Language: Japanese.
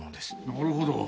なるほど。